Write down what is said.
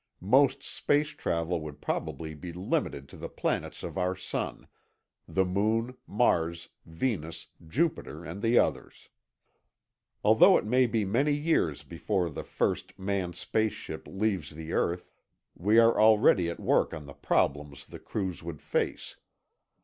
Most space travel would probably be limited to the planets of our sun—the moon, Mars, Venus, Jupiter, and the others. Although it may be many years before the first manned space ship leaves the earth, we are already at work on the problems the crews would face.